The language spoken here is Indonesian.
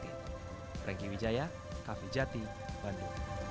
rengki wijaya kaffee jati bandung